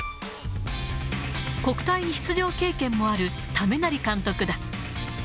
国体に出場経験もある為成監督だ。